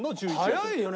早いよね。